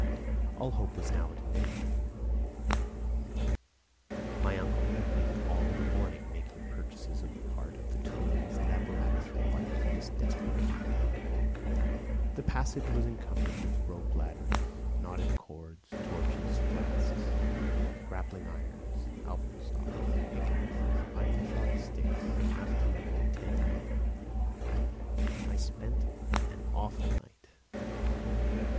All hope was now at an end. My uncle had been all the morning making purchases of a part of the tools and apparatus required for this desperate undertaking. The passage was encumbered with rope ladders, knotted cords, torches, flasks, grappling irons, alpenstocks, pickaxes, iron shod sticks, enough to load ten men. I spent an awful night.